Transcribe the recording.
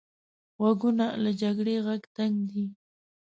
غوږونه له جګړې غږ تنګ دي